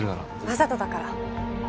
わざとだから。